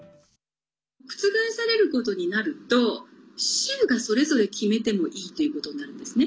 覆されることになると州が、それぞれ決めてもいいということになるんですね。